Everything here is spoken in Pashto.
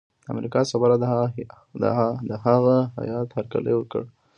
د امریکا سفارت د هغه هیات هرکلی وکړ.